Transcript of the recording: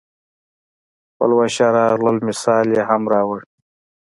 د پلوشه راغلل مثال یې هم راووړ.